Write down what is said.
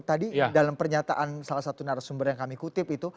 tadi dalam pernyataan salah satu narasumber yang kami kutip itu